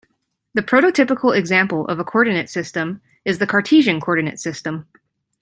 The prototypical example of a coordinate system is the Cartesian coordinate system.